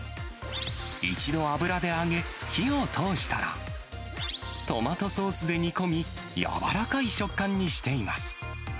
一度油で揚げ、火を通したら、トマトソースで煮込み、柔らかい食感にしています。